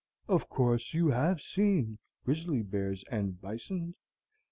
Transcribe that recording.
Of course, you have seen grizzly bears and bisons?"